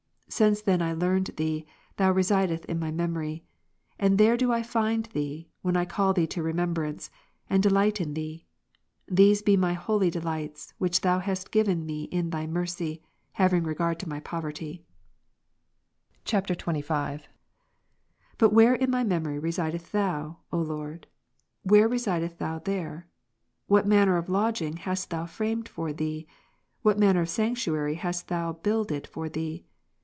Since then I learned Thee, Thou residest in my memory ; and there do I find Thee, when I call Thee to remembrance, and delight in Thee. These be my holy delights, which Thou hast given me in Thy mercy, having regard to my poverty. [XXV.] 36. But where in my memory residest Thou, O Lord, where residest Thou there ? what manner of lodging hast Thou framed for Thee ? what manner of sanctuary hast Thou builded for Thee